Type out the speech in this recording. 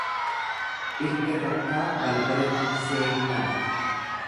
Irga takkaa balbala hin seeninaa.